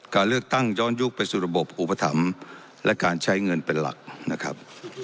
การเลือกตั้งย้อนยุคไปสู่ระบบอุปถัมภ์และการใช้เงินเป็นหลักนะครับ